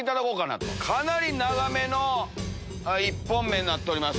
かなり長めの一本麺になっております。